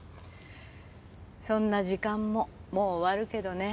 そんな時間ももう終わるけどね。